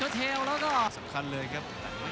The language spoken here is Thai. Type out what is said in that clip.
สำคัญเลยครับ